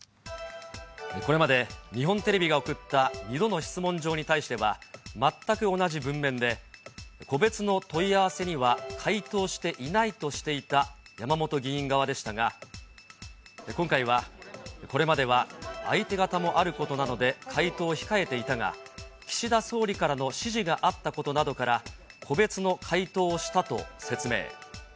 これまで日本テレビが送った２度の質問状に対しては、全く同じ文面で、個別の問い合わせには回答していないとしていた山本議員側でしたが、今回はこれまでは相手方もあることなので回答を控えていたが、岸田総理からの指示があったことなどから、個別の回答をしたと説明。